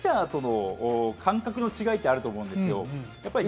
ピッチャーとの感覚の違いってあると思うんですよ。